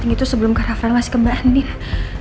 gue bener disimpler penghebatannya